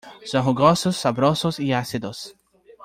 Son jugosos, sabrosos y ácidos.